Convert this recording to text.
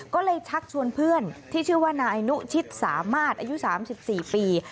ก็เลยชักชวนเพื่อนที่ชื่อว่านายนุชิตสามารถอายุ๓๔ปี